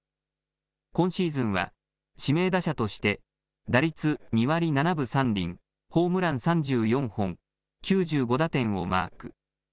今シーズンは指名打者として打率２割７分３厘、ホームラン３４本、９５打点をマーク。